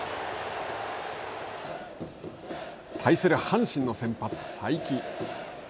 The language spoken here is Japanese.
対する阪神の先発才木。